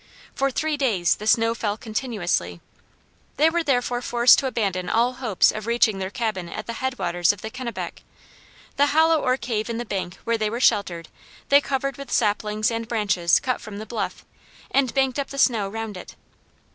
For three days, the snow fell continuously. They were therefore forced to abandon all hopes of reaching their cabin at the head waters of the Kennebec. The hollow or cave in the bank where they were sheltered they covered with saplings and branches cut from the bluff, and banked up the snow round it.